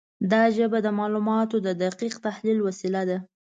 دا ژبه د معلوماتو د دقیق تحلیل وسیله ده.